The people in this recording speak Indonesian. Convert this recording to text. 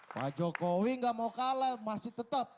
pak jokowi nggak mau kalah masih tetap